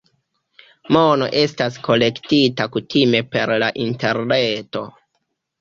Mono estas kolektita kutime per la Interreto.